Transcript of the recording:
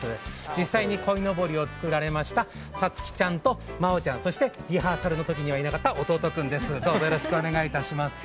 実際にこいのぼりを作られました、さつきちゃんとまおちゃん、そしてリハーサルのときにはいなかった弟君です。